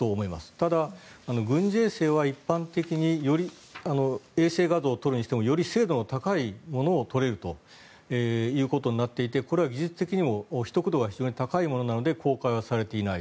ただ、軍事衛星は一般的に衛星画像を撮るにしてもより精度の高いものを撮れるということになっていてこれは技術的にも秘匿度が非常に高いものなので公開はされていない。